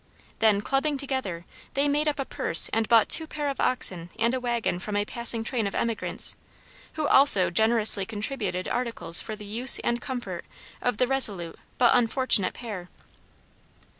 Then clubbing together, they made up a purse and bought two pair of oxen and a wagon from a passing train of emigrants, who also generously contributed articles for the use and comfort of the resolute but unfortunate pair.